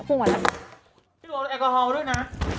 เป็นแอลกอฮอล์ด้วยน่ะ